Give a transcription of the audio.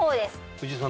藤井さん